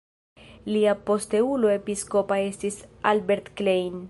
Lia posteulo episkopa estis Albert Klein.